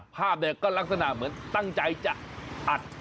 ภาพเนี่ยก็ลักษณะเหมือนตั้งใจจะอัด